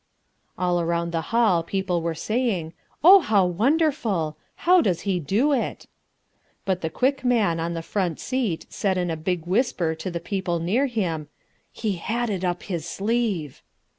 All around the hall people were saying, "Oh, how wonderful! How does he do it?" But the Quick Man on the front seat said in a big whisper to the people near him, "He had it up his sleeve."